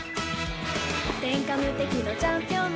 「天下無敵のチャンピオン